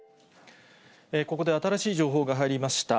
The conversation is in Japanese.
ここで新しい情報が入りました。